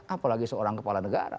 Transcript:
apalagi seorang kepala negara